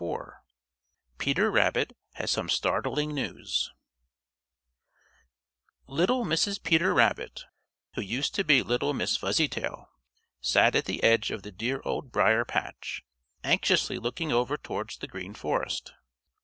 IV PETER RABBIT HAS SOME STARTLING NEWS Little Mrs. Peter Rabbit, who used to be Little Miss Fuzzytail, sat at the edge of the dear Old Briar patch, anxiously looking over towards the Green Forest.